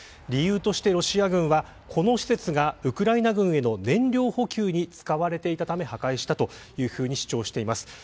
理由としてロシア軍はこの施設がウクライナ軍への燃料補給に使われていたため破壊したというふうに主張しています。